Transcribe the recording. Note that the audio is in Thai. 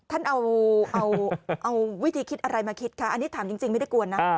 ท่านเอาวิธีคิดอะไรมาคิดคะอันนี้ถามจริงไม่ได้กวนนะ